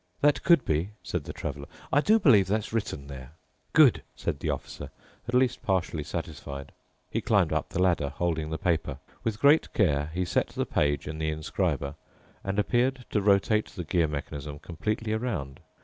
"That could be," said the Traveler. "I do believe that's written there." "Good," said the Officer, at least partially satisfied. He climbed up the ladder, holding the paper. With great care he set the page in the inscriber and appeared to rotate the gear mechanism completely around.